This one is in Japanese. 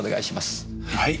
はい。